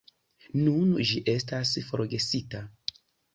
Nun ĝi estas forgesita.